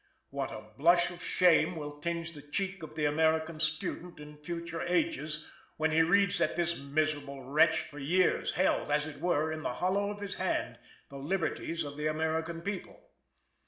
What a blush of shame will tinge the cheek of the American student in future ages, when he reads that this miserable wretch for years held, as it were, in the hollow of his hand, the liberties of the American people.